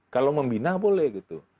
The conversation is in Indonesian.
kalau membina boleh gitu